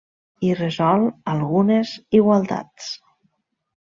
I resol algunes igualtats.